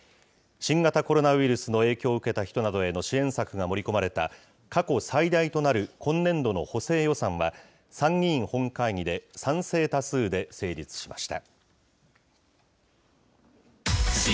新型コロナウイルスの影響を受けた人などへの支援策が盛り込まれた、過去最大となる今年度の補正予算は、参議院本会議で賛成多数で成立しました。